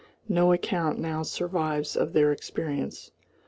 No account now survives of their experience.